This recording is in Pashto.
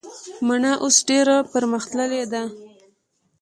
مڼه اوس ډیره پرمختللي ده